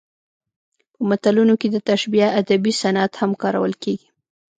په متلونو کې د تشبیه ادبي صنعت هم کارول کیږي